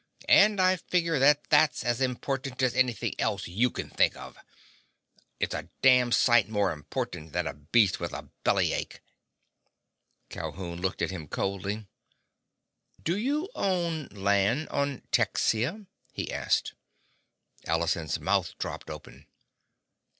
And I figure that that's as important as anything else you can think of! It's a damned sight more important than a beast with a belly ache!" Calhoun looked at him coldly. "Do you own land on Texia?" he asked. Allison's mouth dropped open.